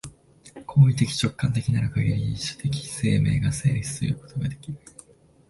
行為的直観的なるかぎり、種的生命が成立するということができる。